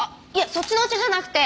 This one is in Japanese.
そっちのお茶じゃなくて。